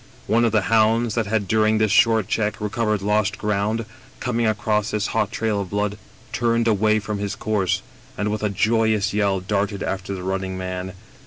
" One of the hounds that had during this short check recovered lost ground, coming across this hot trail of blood, turned away from his course, and with a joyous yell darted after the running man.